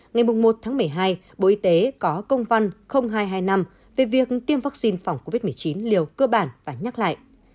ngày một một mươi hai bộ y tế có công văn hai trăm hai mươi năm về việc tiêm vaccine phòng covid một mươi chín liều cơ bản và nhắc lại